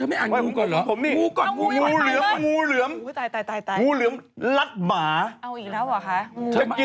ไปต่อดีกว่าคุณกี้